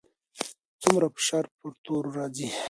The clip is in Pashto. څومره فشار پر تورو راځي؟